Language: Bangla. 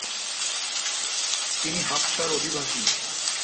যিনি হাবশার অধিবাসী।